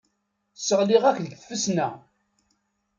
Sseɣliɣ-ak deg tfesna.